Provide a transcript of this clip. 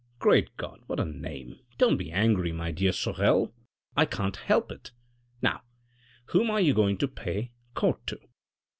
Great God, what a name, don't be angry, my dear Sorel, I can't help it. ... Now, whom are you going to pay court to